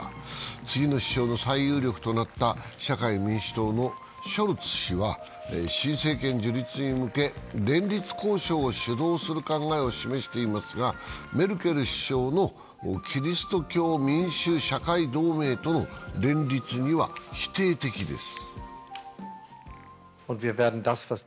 次の首相の最有力となった社会民主党のショルツ氏は新政権樹立に向け、連立交渉を主導する考えを示していますがメルケル首相のキリスト教民主・社会同盟との連立には否定的です。